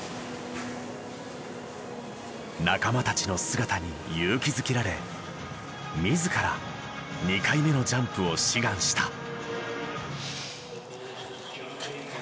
仲間たちの姿に勇気づけられ自ら２回目のジャンプを志願した。